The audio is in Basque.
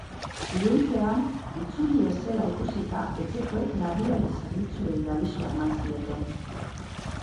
Iluntzean, itzuli ez zela ikusita, etxekoek larrialdi zerbitzuei abisua eman zieten.